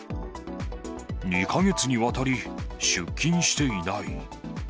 ２か月にわたり出勤していない。